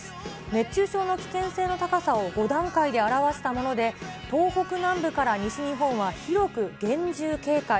熱中症の危険性の高さを５段階で表したもので、東北南部から西日本は広く厳重警戒。